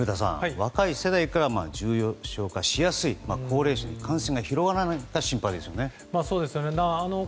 若い世代から、重症化しやすい高齢者に感染が広がらないか心配ですよね。